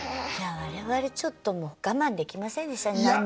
我々ちょっともう我慢できませんでしたね涙。